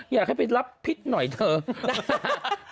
อยากให้ไปรับพิษหน่อยเถอะนะฮะ